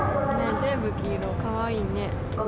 全部黄色、かわいいね。